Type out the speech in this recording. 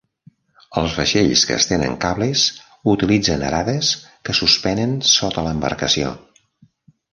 Els vaixells que estenen cables utilitzen "arades" que suspenen sota l'embarcació.